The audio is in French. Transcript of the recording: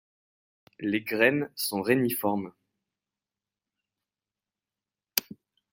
Les graines sont réniformes.